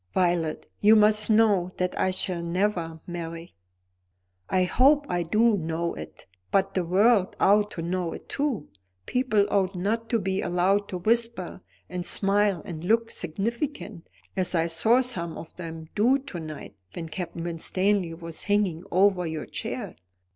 "Violet, you must know that I shall never marry." "I hope I do know it. But the world ought to know it too. People ought not to be allowed to whisper, and smile, and look significant; as I saw some of them do to night when Captain Winstanley was hanging over your chair.